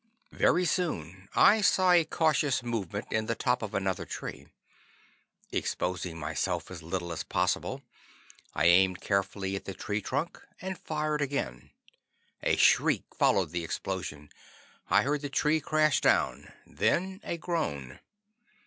Very soon I saw a cautious movement in the top of another tree. Exposing myself as little as possible, I aimed carefully at the tree trunk and fired again. A shriek followed the explosion. I heard the tree crash down; then a groan.